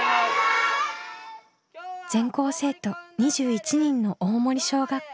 全校生徒２１人の大森小学校。